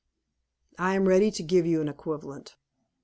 "I am ready to give you an equivalent."